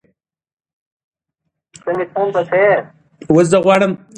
هغه واک چې کنټرول نه لري بالاخره زیان رسوي